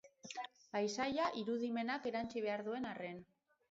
Paisaia irudimenak erantsi behar duen arren.